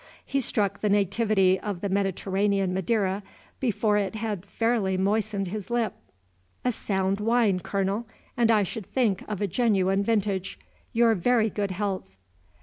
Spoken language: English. He struck the nativity of the Mediterranean Madeira before it had fairly moistened his lip. "A sound wine, Colonel, and I should think of a genuine vintage. Your very good health."